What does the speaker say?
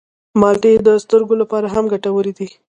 مالټې د سترګو لپاره هم ګټورې دي.